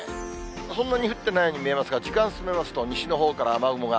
そんなに降ってないように見えますが、時間進めますと、西のほうから雨雲が。